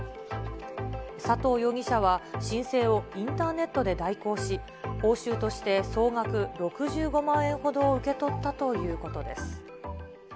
佐藤容疑者は申請をインターネットで代行し、報酬として総額６５万円ほどを受け取ったということです。